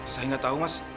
saya enggak tahu mas